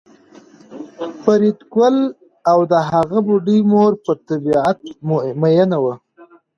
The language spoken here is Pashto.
فریدګل او د هغه بوډۍ مور په طبیعت میئن وو